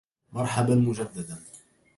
مرحبا مجددا